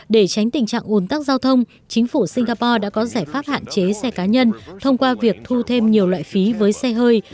để tránh tình trạng ồn tắc giao thông chính phủ singapore đã có giải pháp hạn chế xe cá nhân thông qua việc thu thêm nhiều loại phí với xe hơi